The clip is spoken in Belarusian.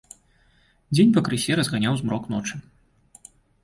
Дзень пакрысе разганяў змрок ночы.